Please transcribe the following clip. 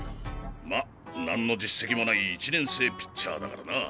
ま何の実績もない１年生ピッチャーだからな。